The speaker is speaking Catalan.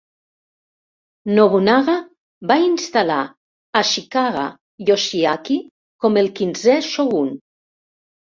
Nobunaga va instal·lar Ashikaga Yoshiaki com el quinzè shogun.